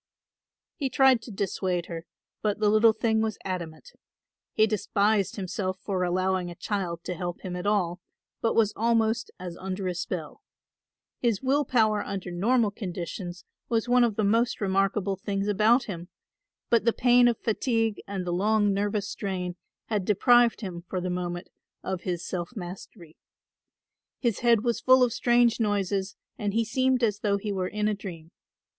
He tried to dissuade her, but the little thing was adamant. He despised himself for allowing a child to help him at all, but was almost as under a spell. His will power under normal conditions was one of the most remarkable things about him; but the pain of fatigue and the long nervous strain had deprived him for the moment of his self mastery. His head was full of strange noises and he seemed as though he were in a dream.